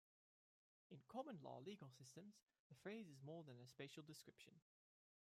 In common law legal systems, the phrase is more than a spatial description.